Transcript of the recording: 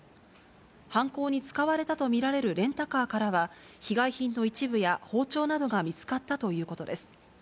犯行に使われたと見られるレンタカーからは、被害品の一部や包丁などが見つかったということです。